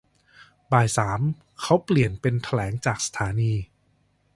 บ่ายสามเขาเปลี่ยนเป็นแถลงจากสถานี